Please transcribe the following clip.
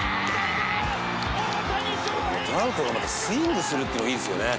「トラウトがまたスイングするっていうのがいいですよね」